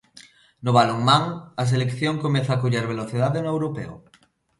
No balonmán, a selección comeza a coller velocidade no europeo.